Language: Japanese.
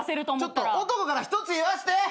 ちょっと男から一つ言わせて。